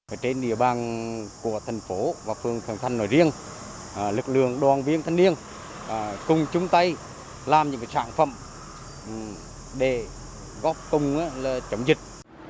ở trên địa bàn của thành phố và phường khánh thành nói riêng lực lượng đoàn viên thanh niên cùng chung tay làm những sản phẩm để góp công chống dịch